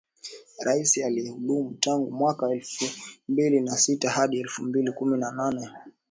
rais aliyehudumu tangu mwaka elfu mbili na sita hadi elfu mbili kumi na nane